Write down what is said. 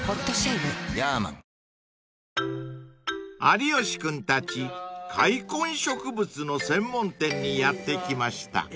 ［有吉君たち塊根植物の専門店にやって来ました］